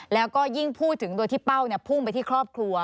แล้วก็ยิ่งพูดถึงโดยที่เป้าพุ่งไปที่ครอบครัว